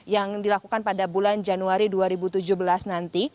yang dilakukan pada bulan januari dua ribu tujuh belas nanti